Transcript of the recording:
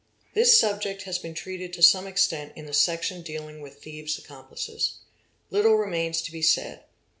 This subject has been treated to some extent in the section dealing with thieves' accomplices. Little remains to be said.